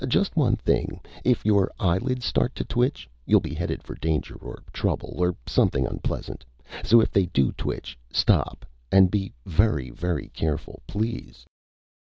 Just one thing. If your eyelids start to twitch, you'll be headed for danger or trouble or something unpleasant. So if they do twitch, stop and be very, very careful. Please!"